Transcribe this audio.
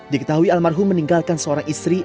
diketahui almarhum meninggalkan seorang istri